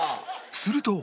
すると